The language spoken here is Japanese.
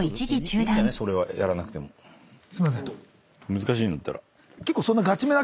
難しいんだったら。